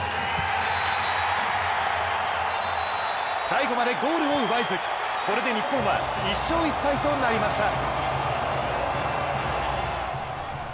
最後までゴールを奪えずこれで日本は１勝１敗となりました。